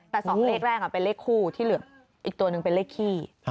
แต่๒เลขแรกเป็นเลขคู่ที่เหลืออีกตัวหนึ่งเป็นเลขขี้